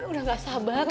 udah gak sabar